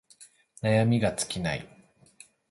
悩みが尽きない